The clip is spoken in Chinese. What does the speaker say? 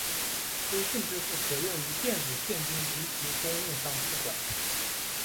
微信支付可用于电子现金以及供应商付款。